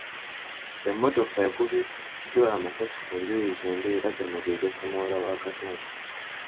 Emmotoka ekubiddwa amasasi ku njuuyi zombi era gano ge gasse muwala wa Katumba .